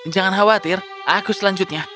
jangan khawatir aku selanjutnya